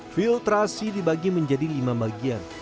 filtrasi dibagi menjadi lima bagian